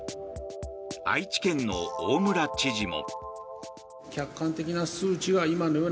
愛知県の大村知事も。